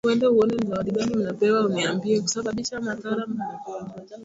kusababisha madhara makubwa ya kiafya lakini kivyovyote vile ni upungufu mkubwa